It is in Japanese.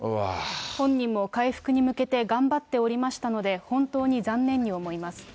本人も回復に向けて頑張っておりましたので、本当に残念に思います。